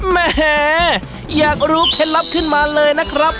แหมอยากรู้เคล็ดลับขึ้นมาเลยนะครับ